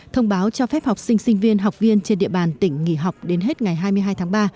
thông báo cho phép học sinh sinh viên học viên trên địa bàn tỉnh nghỉ học đến hết ngày hai mươi hai tháng ba